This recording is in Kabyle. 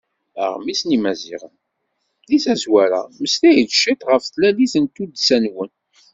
Aɣmis n yimaziɣen: Deg tazwara, mmeslaɣ-d ciṭ ɣef tlalit n tuddsa-nwen.